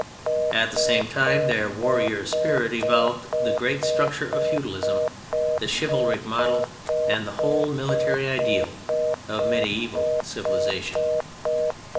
At the same time their warrior spirit evolved the great structure of feudalism, the chivalric model and the whole military ideal of mediæval civilization.